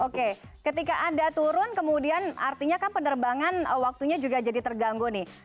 oke ketika anda turun kemudian artinya kan penerbangan waktunya juga jadi terganggu nih